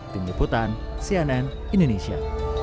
tim liputan cnn indonesia